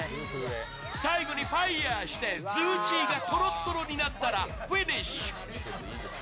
最後にファイアしてズーチーがとろっとろになったらフィニッシュ。